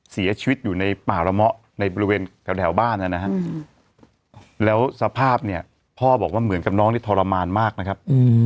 เสียชีวิตอยู่ในป่าระเมาะในบริเวณแถวบ้านนะฮะแล้วสภาพเนี่ยพ่อบอกว่าเหมือนกับน้องนี่ทรมานมากนะครับ